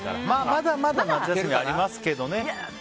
まだまだ夏休みありますけどね。